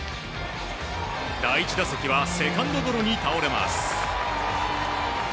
第１打席はセカンドゴロに倒れます。